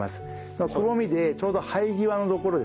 くぼみでちょうど生え際のところですね。